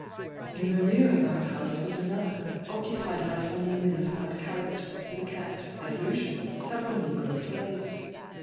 "In the rear of our house was another, occupied by some women of bad character, who kept, as usual, several negro slaves.